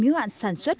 hữu hạn sản xuất